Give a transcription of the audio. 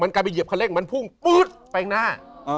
มันกลายไปเหยียบคันเล็กมันพุ่งปุ๊บไปเองหน้า